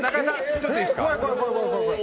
ちょっといいですか？